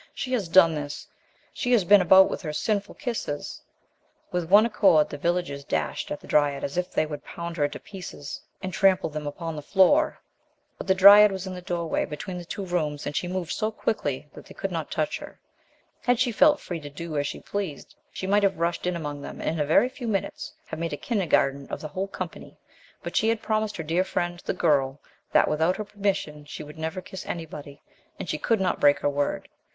She has done this ! She has been about with her sin ful kisses." With one accord the villagers dashed at the dryad as if they would pound her into pieces and trample them 26 THE LOST DRYAD upon the floor. But the dryad was in the door way, between the two rooms, and she moved so quickly that they could not touch her. Had she felt free to do as she pleased, she might have rushed in among them and, in a very few minutes, have made a kindergarten of the whole company, but she had promised her dear friend, the girl, that, without her permission, she would never kiss any body, and she could not break her word.